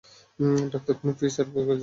Doctor কোনো fee ছাড়াই করতে রাজি হয়েছে।